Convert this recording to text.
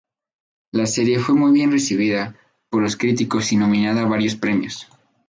La serie fue muy bien recibida por los críticos y nominada a varios premios.